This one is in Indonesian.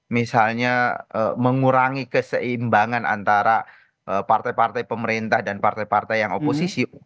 misalnya mengurangi keseimbangan antara partai partai pemerintah dan partai partai yang oposisi